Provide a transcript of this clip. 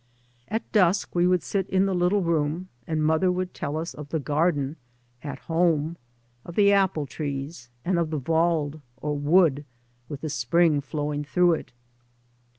At dusk we would sit in the little room and mother would tell us of the garden " at home," of the apple trees, and of the " wald," or wood, with the spring flowing through it.